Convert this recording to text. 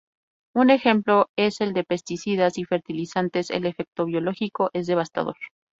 Un ejemplo es el de pesticidas y fertilizantes; el efecto biológico es devastador.